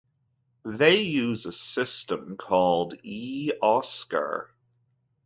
They use a system called E-Oscar.